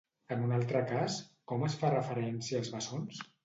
En un altre cas, com es fa referència als bessons?